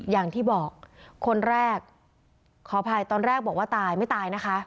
อย่างที่บอกคนแรกขออภัยตอนแรกบอกว่าตายไม่ตายนะคะ